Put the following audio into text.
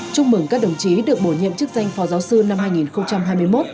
chúc mừng các đồng chí được bổ nhiệm chức danh phó giáo sư năm hai nghìn hai mươi một